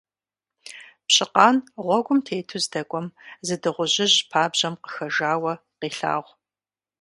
Пщыкъан гъуэгум тету здэкӀуэм зы дыгъужьыжь пабжьэм къыхэжауэ къелъагъу.